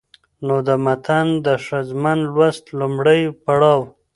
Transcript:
نو د متن د ښځمن لوست لومړى پړاو